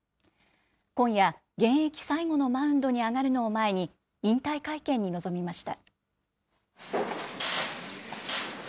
今夜、現役最後のマウンドに上がるのを前に、引退会見に臨みました。